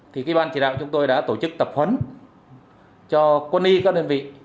thì ban chỉ đạo chúng tôi đã tổ chức tập huấn cho quân y các đơn vị